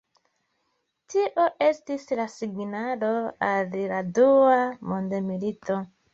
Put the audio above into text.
Tio estis la signalo al la dua mondmilito.